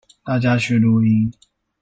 大家去錄音